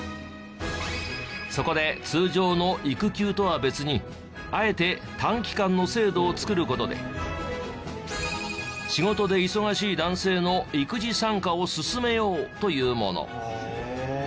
そこで通常の育休とは別にあえて短期間の制度を作る事で仕事で忙しい男性の育児参加をすすめようというもの。